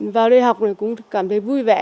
vào đây học thì cũng cảm thấy vui vẻ